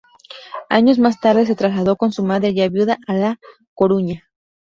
Años más tarde se trasladó con su madre, ya viuda, a La Coruña.